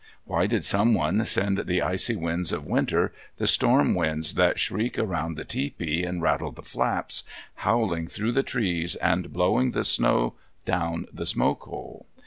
Why did Someone send the icy winds of winter, the storm winds that shriek around the tepee and rattle the flaps, howling through the trees and blowing the snow down the smoke hole?